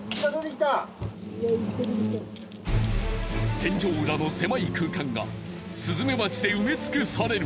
天井裏の狭い空間がスズメバチで埋め尽くされる。